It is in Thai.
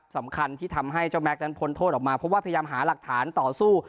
สำคัญที่ทำให้เจ้าแม็กซนั้นพ้นโทษออกมาเพราะว่าพยายามหาหลักฐานต่อสู้